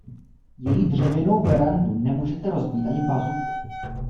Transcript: Její dřevěnou verandu nemůžete rozbít ani bazukou.